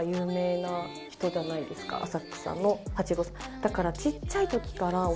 だから。